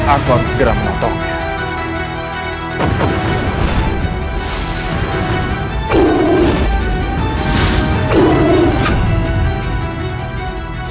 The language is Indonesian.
aku harus segera menontonnya